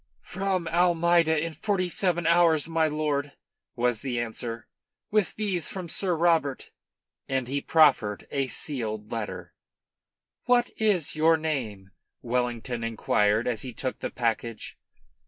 "From Almeida in forty seven hours, my lord," was the answer. "With these from Sir Robert." And he proffered a sealed letter. "What is your name?" Wellington inquired, as he took the package.